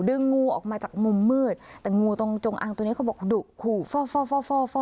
งูออกมาจากมุมมืดแต่งูตรงจงอางตัวนี้เขาบอกดุขู่ฟ่อฟ่อ